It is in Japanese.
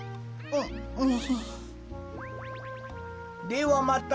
ではまた。